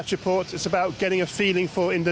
dengan segitiga tulisan